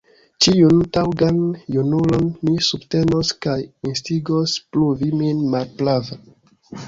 Ĉiun taŭgan junulon mi subtenos kaj instigos pruvi min malprava.